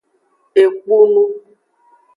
Ekpunu.